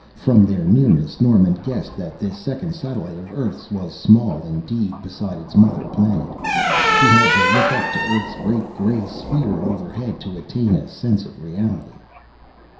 From their nearness Norman guessed that this second satellite of Earth's was small indeed beside its mother planet. He had to look up to earth's great gray sphere overhead to attain a sense of reality.